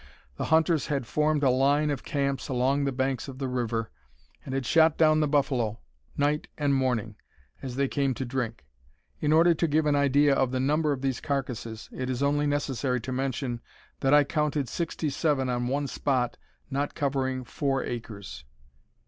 The hunters had formed a line of camps along the banks of the river, and had shot down the buffalo, night and morning, as they came to drink. In order to give an idea of the number of these carcasses, it is only necessary to mention that I counted sixty seven on one spot not covering 4 acres."